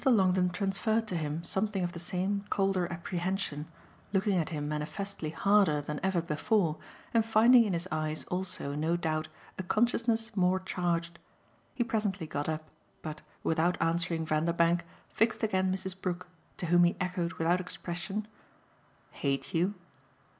Longdon transferred to him something of the same colder apprehension, looking at him manifestly harder than ever before and finding in his eyes also no doubt a consciousness more charged. He presently got up, but, without answering Vanderbank, fixed again Mrs. Brook, to whom he echoed without expression: "Hate you?"